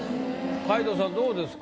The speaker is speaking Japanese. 皆藤さんどうですか？